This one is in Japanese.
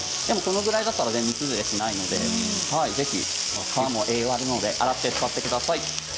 でもこのぐらいだったら煮崩れしないのでぜひ皮も栄養があるので洗って使ってください。